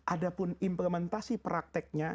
adapun implementasi prakteknya